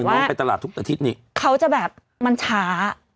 น้องไปตลาดทุกอาทิตย์นี่เขาจะแบบมันช้า